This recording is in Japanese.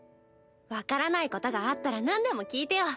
分からないことがあったらなんでも聞いてよ。